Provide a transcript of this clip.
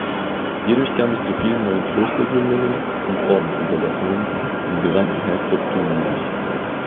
Hierdurch kam es zu vielen neuen Klostergründungen und Ordensniederlassungen im gesamten Herzogtum Jülich.